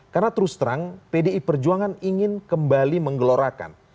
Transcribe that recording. karena terus terang pdi perjuangan ingin kembali menggelorakan